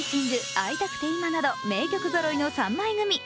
「逢いたくていま」など名曲揃いの３枚組。